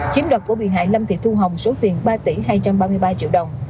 chiếm đoạt của bị hại lâm thị thu hồng số tiền ba tỷ hai trăm ba mươi ba triệu đồng